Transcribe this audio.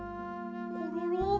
コロロ？